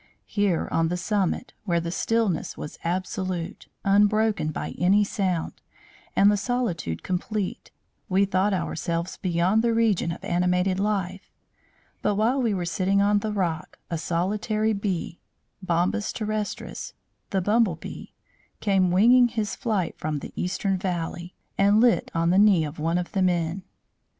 Here, on the summit, where the stillness was absolute, unbroken by any sound, and the solitude complete, we thought ourselves beyond the region of animated life; but while we were sitting on the rock, a solitary bee (bombus terrestris, the humble bee) came winging his flight from the eastern valley, and lit on the knee of one of the men.